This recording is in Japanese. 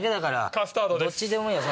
カスタードです。